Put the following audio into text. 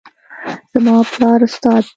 زما پلار استاد ده